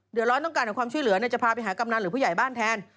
เดี๋ยวร้อนต้องการของความช่วยเหลือจะพาไปหากำนันหรือผู้ใหญ่บ้านแทน